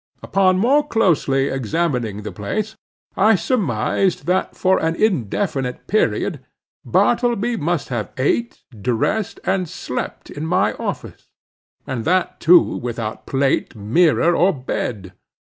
Upon more closely examining the place, I surmised that for an indefinite period Bartleby must have ate, dressed, and slept in my office, and that too without plate, mirror, or bed.